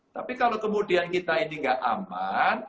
tapi kalau kemudian kita ini nggak aman